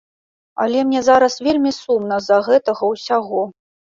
Але мне зараз вельмі сумна з-за гэтага ўсяго.